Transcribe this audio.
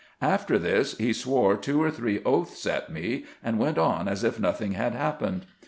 After this he swore two or three oaths at me, and went on as if nothing had happened.